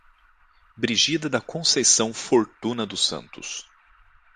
Brigida da Conceição Fortuna dos Santos